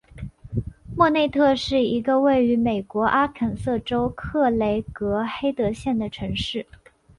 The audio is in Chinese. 莫内特是一个位于美国阿肯色州克雷格黑德县的城市。